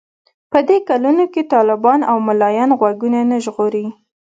په دې کلونو کې طالبان او ملايان غوږونه نه ژغوري.